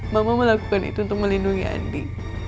mama melakukan itu untuk melindungi andi